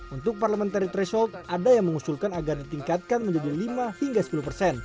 untuk parliamentary threshold ada yang mengusulkan agar ditingkatkan menjadi lima hingga sepuluh persen